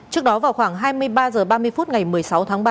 trước đó vào khoảng hai mươi ba h ba mươi phút ngày một mươi sáu tháng ba